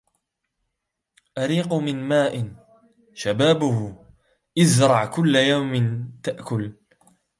أريق من ماء شبابه ازرع كل يوم تأكل